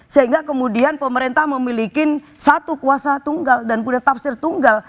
sehingga kemudian pemerintah memiliki satu kuasa tunggal dan punya tafsir tunggal